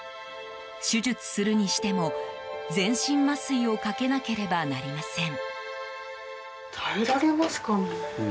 手術するにしても、全身麻酔をかけなければなりません。